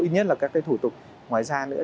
nhất là các cái thủ tục ngoài ra nữa